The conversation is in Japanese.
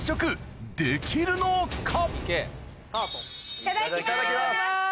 いただきます。